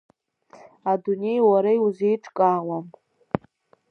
Адунеи уара иузеиҿкаауам.